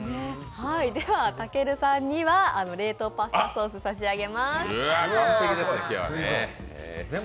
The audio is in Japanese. では、たけるさんには冷凍パスタソースを差し上げます。